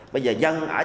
bây giờ dân ở trong